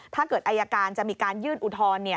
ถ้าเกิดอายการจะมีการยื่นอุทธรณ์